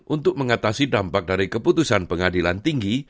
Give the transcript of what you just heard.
untuk mengatasi dampak dari keputusan pengadilan tinggi